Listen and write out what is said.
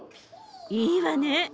いいわね。